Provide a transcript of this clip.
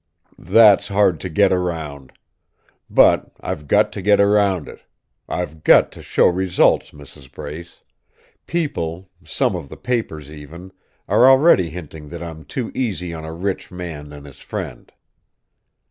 "That's hard to get around. But I've got to get around it! I've got to show results, Mrs. Brace. People, some of the papers even, are already hinting that I'm too easy on a rich man and his friend."